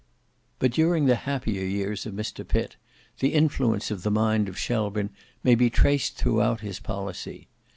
But during the happier years of Mr Pitt, the influence of the mind of Shelburne may be traced throughout his policy.